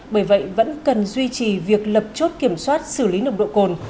bởi vậy vẫn cần duy trì việc lập chốt kiểm soát xử lý nồng độ cồn